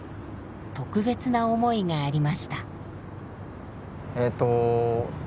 特別な思いがありました。